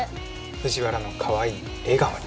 藤原のかわいい笑顔に！